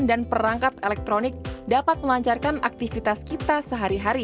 perangkat elektronik dapat melancarkan aktivitas kita sehari hari